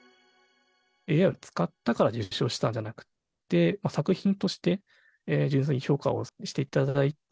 ＡＩを使ったから受賞したんじゃなくて、作品として純粋に評価をしていただいて、